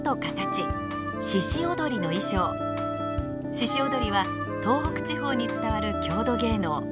鹿踊は東北地方に伝わる郷土芸能。